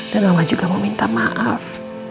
dan mbak minci mau minta maaf